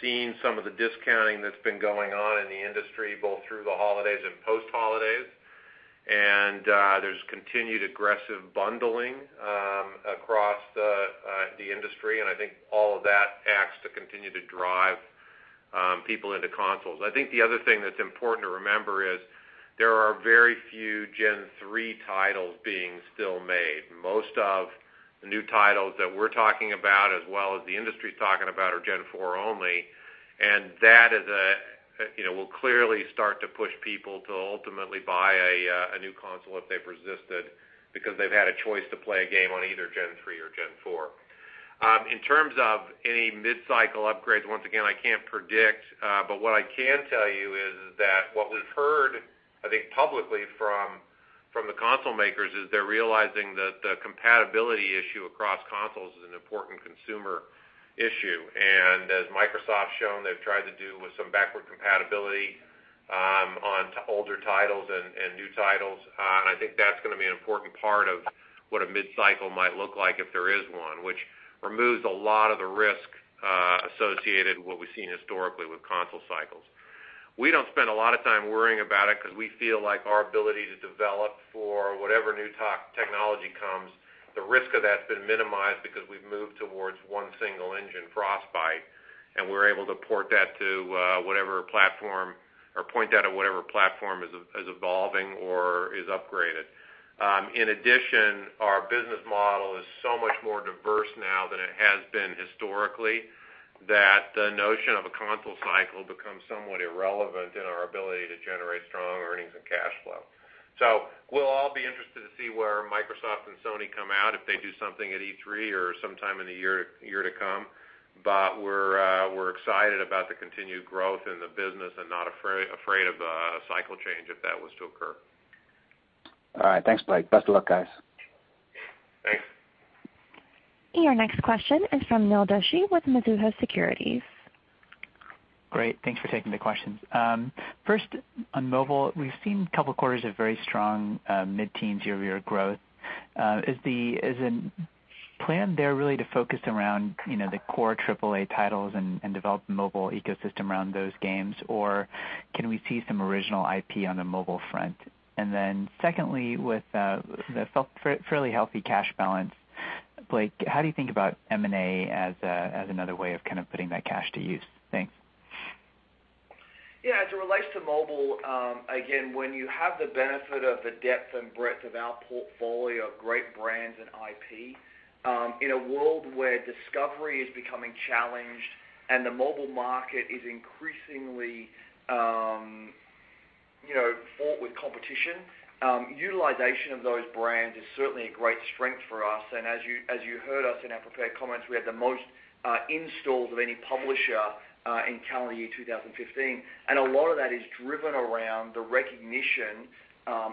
seen some of the discounting that's been going on in the industry, both through the holidays and post holidays. There's continued aggressive bundling across the industry, and I think all of that acts to continue to drive people into consoles. I think the other thing that's important to remember is there are very few Gen 3 titles being still made. Most of the new titles that we're talking about, as well as the industry is talking about, are Gen 4 only. That will clearly start to push people to ultimately buy a new console if they've resisted because they've had a choice to play a game on either Gen 3 or Gen 4. In terms of any mid-cycle upgrades, once again, I can't predict. What I can tell you is that what we've heard, I think, publicly from the console makers is they're realizing that the compatibility issue across consoles is an important consumer issue. As Microsoft's shown, they've tried to do with some backward compatibility onto older titles and new titles. I think that's going to be an important part of what a mid-cycle might look like if there is one, which removes a lot of the risk associated with what we've seen historically with console cycles. We don't spend a lot of time worrying about it because we feel like our ability to develop for whatever new technology comes, the risk of that's been minimized because we've moved towards one single Frostbite, and we're able to port that to whatever platform or point that at whatever platform is evolving or is upgraded. In addition, our business model is so much more diverse now than it has been historically, that the notion of a console cycle becomes somewhat irrelevant in our ability to generate strong earnings and cash flow. We'll all be interested to see where Microsoft and Sony come out if they do something at E3 or sometime in the year to come. We're excited about the continued growth in the business and not afraid of a cycle change if that was to occur. All right. Thanks, Blake. Best of luck, guys. Thanks. Your next question is from Neil Doshi with Mizuho Securities. Great. Thanks for taking the questions. First, on mobile, we've seen a couple quarters of very strong mid-teen year-over-year growth. Is the plan there really to focus around the core AAA titles and develop mobile ecosystem around those games? Or can we see some original IP on the mobile front? Secondly, with the fairly healthy cash balance, Blake, how do you think about M&A as another way of kind of putting that cash to use? Thanks. As it relates to mobile, again, when you have the benefit of the depth and breadth of our portfolio of great brands and IP, in a world where discovery is becoming challenged and the mobile market is increasingly fraught with competition, utilization of those brands is certainly a great strength for us. As you heard us in our prepared comments, we had the most installs of any publisher in calendar year 2015. A lot of that is driven around the recognition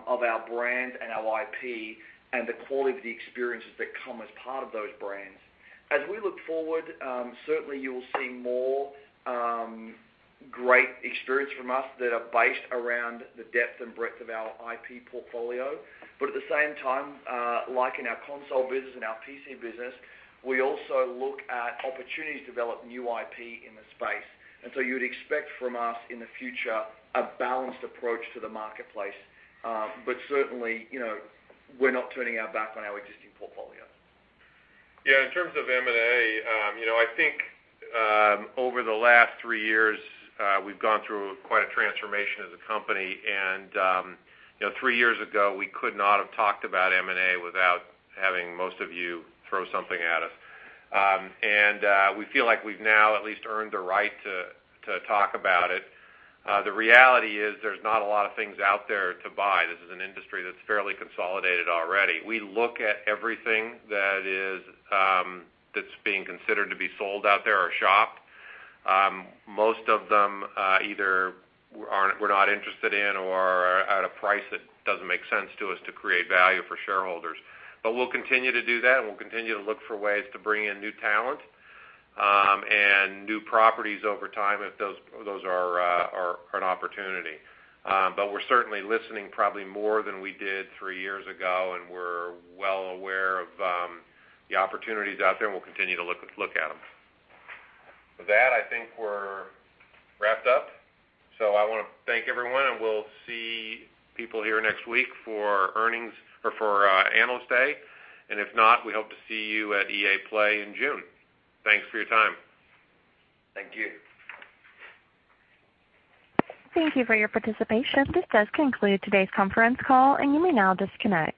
of our brand and our IP and the quality of the experiences that come as part of those brands. As we look forward, certainly you will see more great experience from us that are based around the depth and breadth of our IP portfolio. At the same time, like in our console business and our PC business, we also look at opportunities to develop new IP in the space. You'd expect from us in the future, a balanced approach to the marketplace. Certainly, we're not turning our back on our existing portfolio. In terms of M&A, I think over the last three years, we've gone through quite a transformation as a company. Three years ago, we could not have talked about M&A without having most of you throw something at us. We feel like we've now at least earned the right to talk about it. The reality is, there's not a lot of things out there to buy. This is an industry that's fairly consolidated already. We look at everything that's being considered to be sold out there or shopped. Most of them either we're not interested in or are at a price that doesn't make sense to us to create value for shareholders. We'll continue to do that, and we'll continue to look for ways to bring in new talent, and new properties over time if those are an opportunity. We're certainly listening probably more than we did three years ago, and we're well aware of the opportunities out there, and we'll continue to look at them. With that, I think we're wrapped up. I want to thank everyone, and we'll see people here next week for earnings or for Analyst Day. If not, we hope to see you at EA Play in June. Thanks for your time. Thank you. Thank you for your participation. This does conclude today's conference call, and you may now disconnect.